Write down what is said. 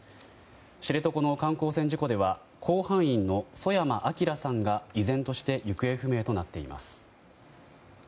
知床の観光船事故では甲板員の曽山聖さんが依然として行方不明となっています。